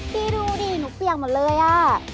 พี่ดูดิหนูเปียกหมดเลยอ่ะ